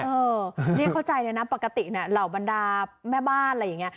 เรียกเข้าใจเลยนะปกติเนี่ยเหล่าบรรดาแม่บ้านอะไรอย่างนี้